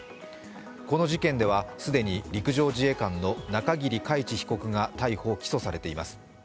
この事件では既に陸上自衛官の中桐海知被告が逮捕・起訴されています。